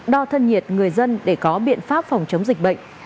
đo thân nhiệt người dân để có biện pháp phòng chống dịch bệnh